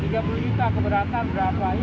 ya nggak nggak seperti itu